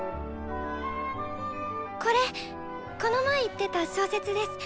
これこの前言ってた小説です。